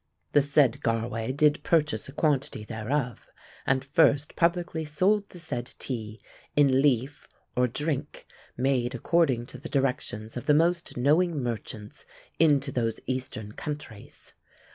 The said Garway did purchase a quantity thereof, and first publicly sold the said tea in leaf or drink, made according to the directions of the most knowing merchants into those Eastern countries.